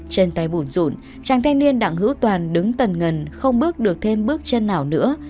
trên tay bụn rộn chàng thanh niên đặng hữu toàn đứng tần ngân không bước được thêm bước chân nào nữa